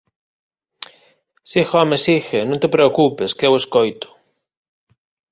Sigue, home, sigue… Non te preocupes, que eu escoito…